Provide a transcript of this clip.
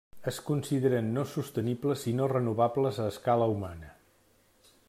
Es consideren no sostenibles i no renovables a escala humana.